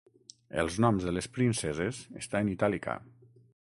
Els noms de les princeses està en itàlica.